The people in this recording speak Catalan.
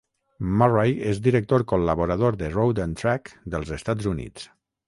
Murray és editor col·laborador de "Road and Track" dels Estats Units.